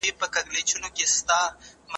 په نړۍ کي داسي ستونزي پیدا کېږي